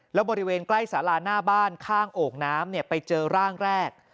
แล้วบริเวณใกล้สาราหน้าบ้านข้างโอ่งน้ำไปเจอร่างแรก